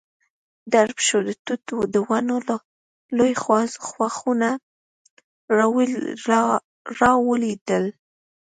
درب شو، د توت د ونو لوی ښاخونه را ولوېدل.